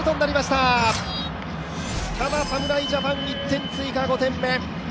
ただ、侍ジャパン、１点追加、５点目。